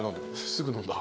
すぐ飲んだ。